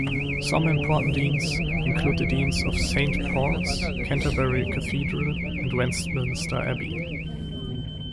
Some important deans include the deans of Saint Paul's, Canterbury Cathedral and Westminster Abbey.